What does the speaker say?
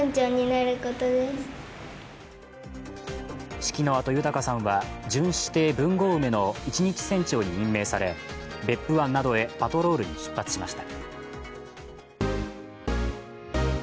式のあと、豊さんは巡視艇「ぶんごうめ」の一日船長に任命され、別府湾などへパトロールに出発しました。